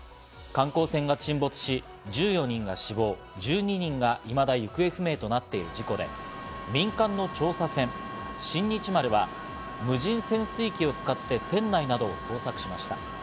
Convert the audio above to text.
観光船が沈没し１４人が死亡、１２人がいまだ行方不明となっている事故で、民間の調査船「新日丸」は無人潜水機を使って、船内などを捜索しました。